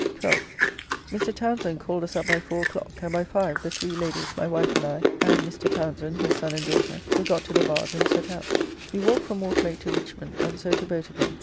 12th. Mr. Townsend called us up by four o'clock; and by five the three ladies, my wife and I, and Mr. Townsend, his son and daughter, were got to the barge and set out. We walked from Mortlake to Richmond, and so to boat again.